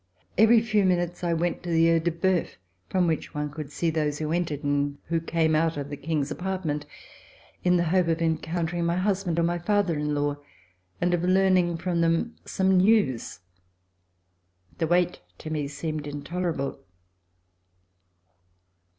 Every few minutes I went to the ceil de bosuf , from which one could see those who entered and who came out of the King's apartment, in the hope of encountering my husband or my father in law and of learning from them some news. The wait to me seemed intolerable.